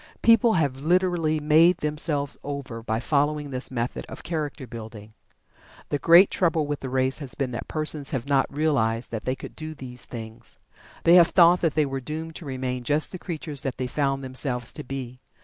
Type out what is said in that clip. People have literally "made themselves over" by following this method of character building. The great trouble with the race has been that persons have not realized that they could do these things. They have thought that they were doomed to remain just the creatures that they found themselves to be.